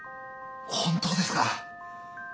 本当ですか！